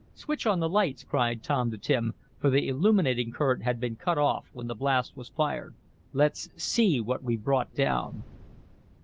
"Switch on the lights," cried Tom to Tim, for the illuminating current had been cut off when the blast was fired. "Let's see what we've brought down."